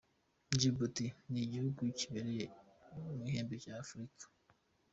Djibouti ni igihugu giherereye mu ihembe rya Afurika.